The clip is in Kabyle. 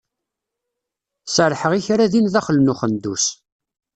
Serḥeɣ i kra din daxel n uxendus.